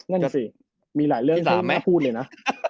นั่นน่ะสิมีหลายเรื่องที่แม่พูดเลยนะ